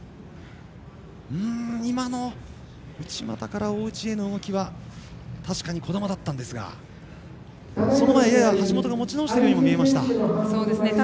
今の内股から大内への動きは確かに児玉だったんですがその前、やや橋本が持ち直したようにも見えました。